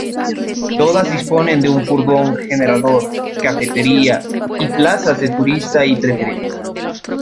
Todas disponen de un furgón generador, cafetería, y plazas de turista y preferente.